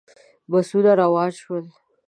بسونه روان شول.